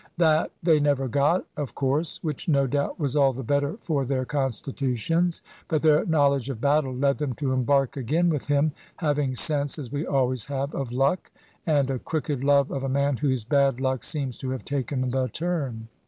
That they never got, of course (which, no doubt, was all the better for their constitutions), but their knowledge of battle led them to embark again with him, having sense (as we always have) of luck, and a crooked love of a man whose bad luck seems to have taken the turn.